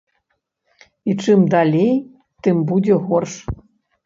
І чым далей, тым будзе горш.